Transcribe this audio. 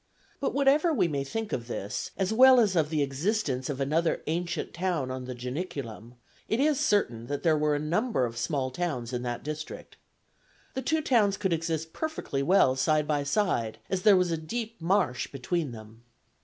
But whatever we may think of this, as well as of the existence of another ancient town on the Janiculum, it is certain that there were a number of small towns in that district. The two towns could exist perfectly well side by side, as there was a deep marsh between them.